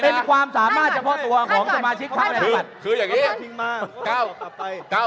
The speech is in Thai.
เป็นความสามารถเฉพาะตัวของสมาชิกเค้า